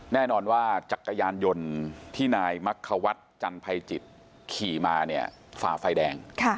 แน่นอนว่าจักรยานยนต์ที่นายมัฆวัฒน์จันไพจิตขี่มาฟาไฟแดง